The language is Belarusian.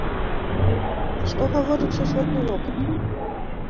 А што гаворыць сусветны вопыт?